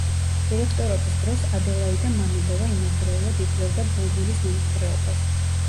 დირექტორობის დროს ადელაიდა მამედოვა იმავდროულად იკვლევდა ბულბულის მემკვიდრეობას.